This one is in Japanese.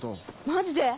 マジで？